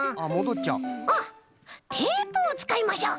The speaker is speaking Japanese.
あっテープをつかいましょう！